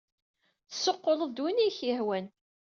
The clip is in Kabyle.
Tessuqquleḍ-d win ay ak-yehwan.